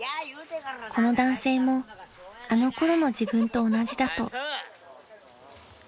［この男性もあの頃の自分と同じだと］